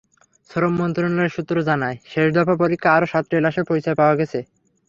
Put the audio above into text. শ্রম মন্ত্রণালয় সূত্র জানায়, শেষ দফার পরীক্ষায় আরও সাতটি লাশের পরিচয় পাওয়া গেছে।